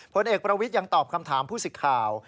ผลเอกประวิทย์ยังตอบคำถามผู้สิทธิ์ข่าว